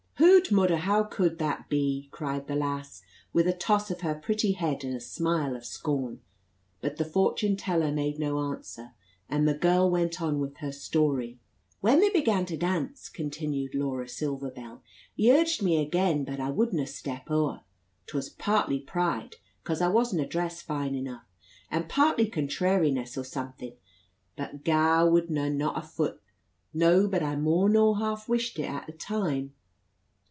"Hoot, mudder! how cud that be?" cried the lass, with a toss of her pretty head and a smile of scorn. But the fortune teller made no answer, and the girl went on with her story. "When they began to dance," continued Laura Silver Bell, "he urged me again, but I wudna step o'er; 'twas partly pride, coz I wasna dressed fine enough, and partly contrairiness, or something, but gaa I wudna, not a fut. No but I more nor half wished it a' the time."